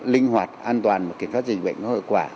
linh hoạt an toàn mà kiểm soát dịch bệnh có hợp quả